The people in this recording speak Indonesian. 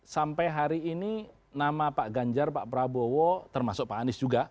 sampai hari ini nama pak ganjar pak prabowo termasuk pak anies juga